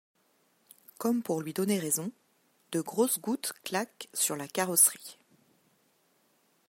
Comme pour lui donner raison, de grosses gouttes claquent sur la carrosserie.